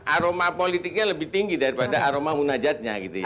aroma politiknya lebih tinggi daripada aroma munajatnya gitu ya